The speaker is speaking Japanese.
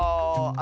あ！